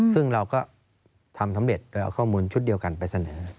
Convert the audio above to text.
ซึ่งเราก็ทำสำเร็จโดยเอาข้อมูลชุดเดียวกันไปเสนอ